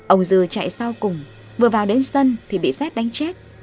ông dư chạy sau cùng vừa vào đến sân thì bị xét đánh chết